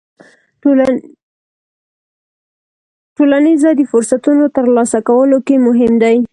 ټولنیز ځای د فرصتونو ترلاسه کولو کې مهم دی.